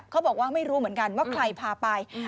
เขาบอกว่าไม่รู้เหมือนกันว่าใครพาไป